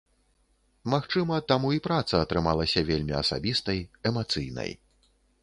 Магчыма, таму і праца атрымалася вельмі асабістай, эмацыйнай.